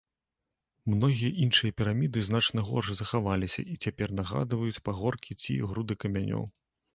Многія іншыя піраміды значна горш захаваліся і цяпер нагадваюць пагоркі ці груды камянёў.